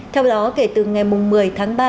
theo đó kể từ ngày một mươi tháng ba